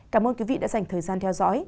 cảm ơn quý vị đã dành thời gian theo dõi